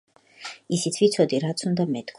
ისიც ვიცოდი რაც უნდა მეთქვა.